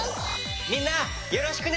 みんなよろしくね。